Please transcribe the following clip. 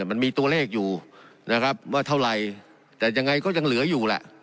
มันมีตัวเลขอยู่นะครับว่าเท่าไหร่แต่ยังไงก็ยังเหลืออยู่แหละ